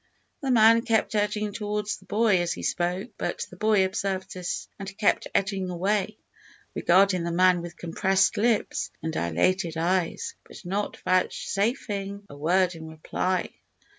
The man kept edging towards the boy as he spoke, but the boy observed this and kept edging away, regarding the man with compressed lips and dilated eyes, but not vouchsafing a word in reply.